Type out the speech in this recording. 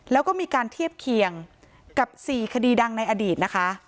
แล้วก็มีการเทียบเคียงกับ๔คดีดังในอดีตนะคะ